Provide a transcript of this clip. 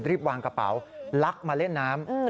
รีบวางกระเป๋าแล้วล็ากมาเล่นน้ำ